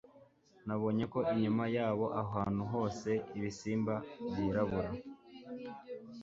Nabonye ko inyuma yabo ahantu hose ibisimba byirabura